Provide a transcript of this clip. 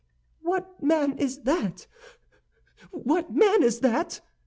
"What man is that? What man is that?"